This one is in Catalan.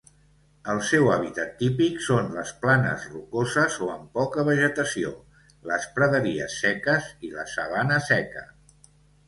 El seu habitat típic són les planes rocoses o amb poca vegetació, les praderies seques i la sabana seca.